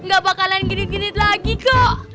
gak bakalan genit genit lagi kok